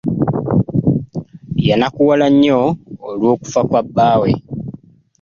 Yannakuwala nnyo olw'okufa kwa bbaawe.